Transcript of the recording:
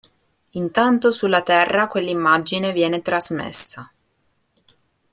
Intanto sulla Terra quell'immagine viene trasmessa.